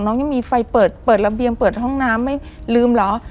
ยังมีไฟเปิดเปิดระเบียงเปิดห้องน้ำไม่ลืมเหรอ